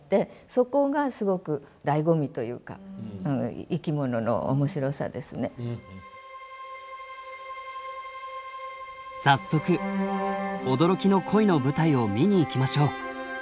そこがすごくだいご味というか早速驚きの恋の舞台を見に行きましょう。